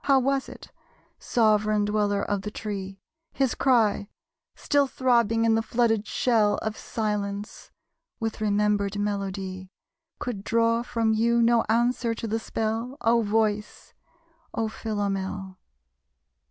How was it, sovran dweller of the tree, His cry, still throbbing in the flooded shell Of silence with remembered melody, Could draw from you no answer to the spell? O Voice, O Philomel?